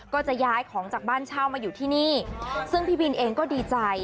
ก็จะย้ายของจากบ้านเช่ามาอยู่ที่นี่ซึ่งพี่บินเองก็ดีใจ